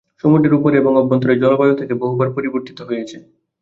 সমুদ্রের উপরে এবং অভ্যন্তরে জলবায়ু তখন থেকে বহুবার পরিবর্তিত হয়েছে।